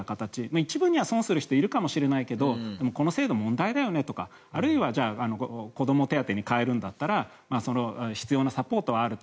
一部には損をする人がいるかもしれないけどこの制度、問題だよねとか子ども手当に変えるんだったらその必要なサポートはあると。